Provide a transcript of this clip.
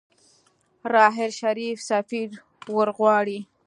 راحیل شريف سفير ورغواړي.